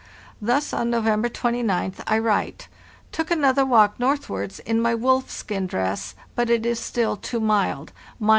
Thus, on November 29th I write: "Took another walk northward in my wolfskin dress; but it is still too mild (—37.